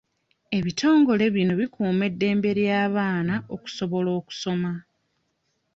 Ebitongole bino bikuuma eddembe ly'abaana okusobola okusoma.